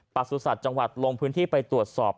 ปรักษุศัตริย์จังหวัดลงพื้นที่ไปตรวจสอบ